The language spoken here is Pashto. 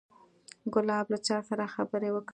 ګلاب له چا سره خبرې وکړې.